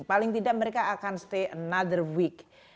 paling tidak mereka akan tinggal di bulan lain